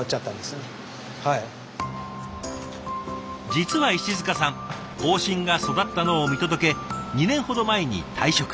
実は石束さん後進が育ったのを見届け２年ほど前に退職。